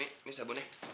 ini ini sabunnya